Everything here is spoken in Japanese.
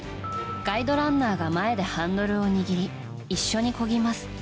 ガイドランナーが前でハンドルを握り、一緒にこぎます。